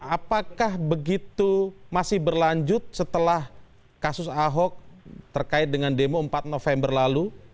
apakah begitu masih berlanjut setelah kasus ahok terkait dengan demo empat november lalu